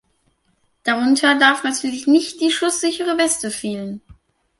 Darunter darf natürlich nicht die schusssichere Weste fehlen.